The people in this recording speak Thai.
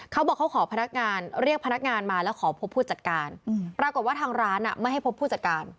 เขาบอกเขาขอพนักงานเรียกพนักงานมาแล้วขอพบผู้จัดการปรากฏว่าทางร้านไม่ให้พบผู้จัดการ